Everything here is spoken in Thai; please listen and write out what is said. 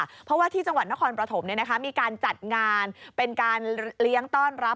เพราะว่าที่จังหวัดนครปฐมมีการจัดงานเป็นการเลี้ยงต้อนรับ